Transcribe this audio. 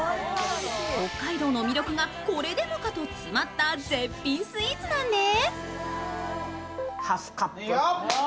北海道の魅力がこれでもかと詰まった絶品スイーツなんです。